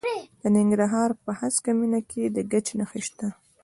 د ننګرهار په هسکه مینه کې د ګچ نښې شته.